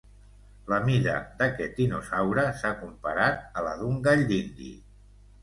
La mida d'aquest dinosaure s'ha comparat a la d'un gall d'indi.